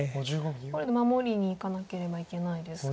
これで守りにいかなければいけないですが。